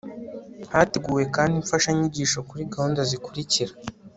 hateguwe kandi imfashanyigisho kuri gahunda zikurikira